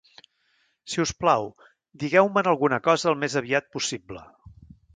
Si us plau, digueu-me'n alguna cosa al més aviat possible